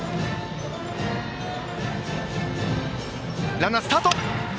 ランナー、スタート。